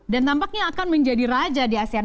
dan tampaknya akan menjadi raja di asean